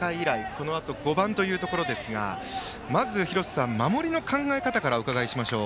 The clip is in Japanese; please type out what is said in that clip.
このあと５番というところですがまず廣瀬さん、守りの考え方からお伺いしましょう。